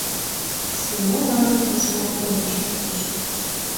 — Семон ала-кушко ончыктыш.